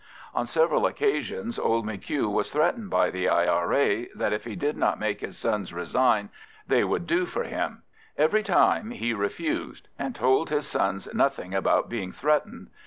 On several occasions old M'Hugh was threatened by the I.R.A. that if he did not make his sons resign they would do for him: every time he refused, and told his sons nothing about being threatened.